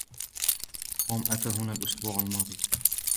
توم أتى هنا الإسبوع الماضي.